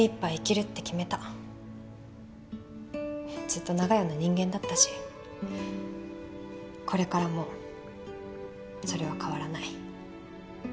ずっと長屋の人間だったしこれからもそれは変わらない。